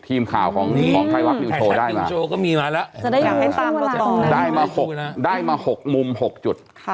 ทีมข่าวของไทรัศนิวโชว์ก็มีไปแล้วได้มา๖มุม๖จุด